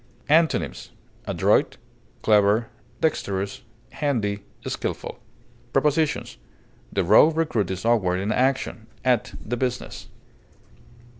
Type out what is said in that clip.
Antonyms: adroit, clever, dexterous, handy, skilful. Prepositions: The raw recruit is awkward in action; at the business.